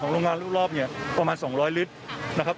โรงงานรอบประมาณ๒๐๐ลิตร